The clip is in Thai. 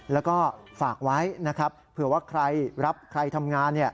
แล้วก็ฝากไว้นะครับเผื่อว่าใครรับใครทำงาน